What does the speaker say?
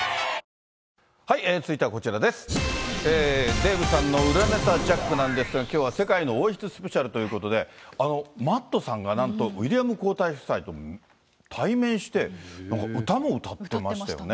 デーブさんの裏ネタジャックなんですが、きょうは世界の王室スペシャルということで、Ｍａｔｔさんがなんとウィリアム皇太子夫妻と対面して、なんか歌も歌ってましたもんね。